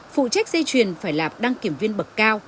phụ trách giây chuyển phải lạp đăng kiểm viên bậc cao